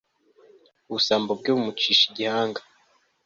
ubusambo bwe bumucisha igihanga